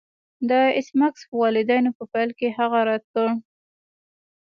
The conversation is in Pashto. د ایس میکس والدینو په پیل کې هغه رد کړ